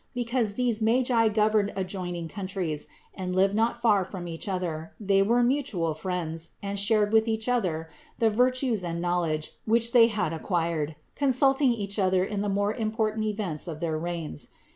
Because these Magi gov erned adjoining countries and lived not far from each other, they were mutual friends and shared with each other the virtues and the knowledge which they had ac quired, consulting each other in the more important events of their reigns.